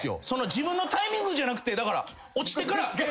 自分のタイミングじゃなくて落ちてから。